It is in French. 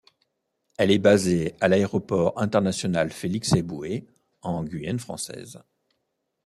Elle est basée à l'aéroport international Félix-Éboué, en Guyane française.